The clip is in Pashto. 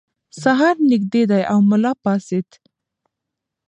سهار نږدې دی او ملا پاڅېد.